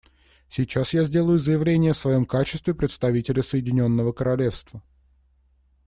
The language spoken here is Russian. Сейчас я сделаю заявление в своем качестве представителя Соединенного Королевства.